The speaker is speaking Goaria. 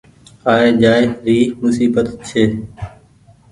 آئي جآئي موسيبت ڇي۔